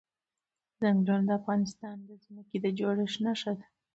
ځنګلونه د افغانستان د ځمکې د جوړښت نښه ده.